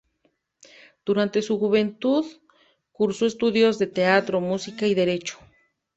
Durante su juventud cursó estudios de teatro, música y derecho.